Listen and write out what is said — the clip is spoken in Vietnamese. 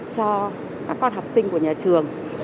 cho các con học sinh của nhà trường